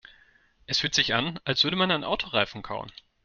Es fühlt sich an, als würde man einen Autoreifen kauen.